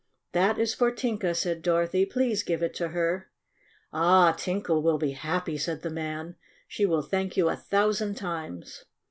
"That is for Tinka," said Dorothy. "Please give it to her." "Ah, Tinka will be happy!" said the man. "She will thank you a thousand times!"